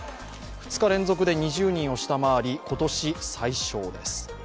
２日連続で２０人を下回り今年最少です。